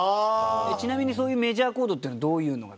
ちなみにそういうメジャーコードっていうのはどういうのが？